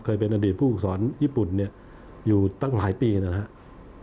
เคยเป็นอดีตผู้ฝึกสอนญี่ปุ่นเนี่ยอยู่ตั้งหลายปีนะครับ